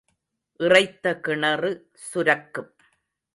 இறைத்த கிணறு சுரக்கும்.